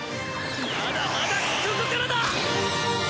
まだまだここからだ！！